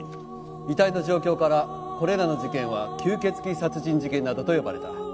遺体の状況からこれらの事件は吸血鬼殺人事件などと呼ばれた。